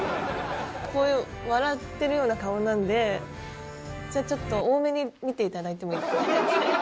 こういう笑ってるような顔なんで、じゃあ、ちょっと大目に見ていただいてもいいですか。